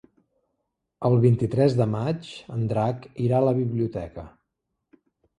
El vint-i-tres de maig en Drac irà a la biblioteca.